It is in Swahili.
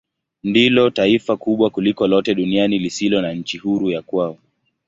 Ndilo taifa kubwa kuliko lote duniani lisilo na nchi huru ya kwao.